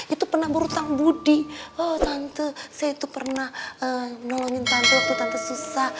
itu pernah berhutang budi oh tante saya itu pernah menolongin tante waktu tanpa susah